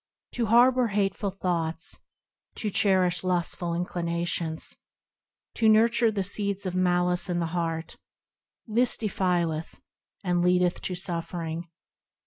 To harbour hateful thoughts, To cherish lustful inclinations. To nurture the seeds of malice in the heart,– This defileth, and leadeth to suffering.